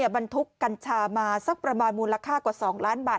บรรทุกกัญชามาสักประมาณมูลค่ากว่า๒ล้านบาท